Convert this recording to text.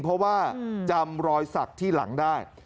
เพราะว่าจำรอยสักที่หลังได้